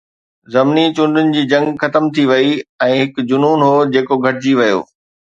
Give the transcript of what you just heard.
ضمني چونڊن جي جنگ ختم ٿي وئي ۽ هڪ جنون هو جيڪو گهٽجي ويو.